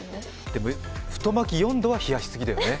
でも太巻き４度は冷やしすぎだよね。